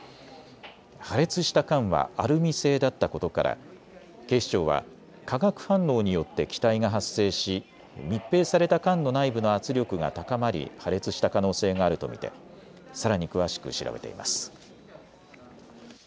破裂した缶はアルミ製だったことから警視庁は化学反応によって気体が発生し密閉された缶の内部の圧力が高まり破裂した可能性があると見てさらに詳しく調べています。